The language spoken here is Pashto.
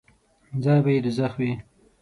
ځای به یې دوږخ وي.